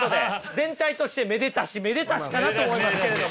全体としてめでたしめでたしかなと思いますけれども。